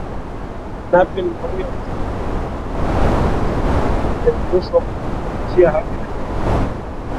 Nape Nnauye amesema operesheni za JeshiUsu zitaendeshwa kwa kuzingatia haki za kibinadamu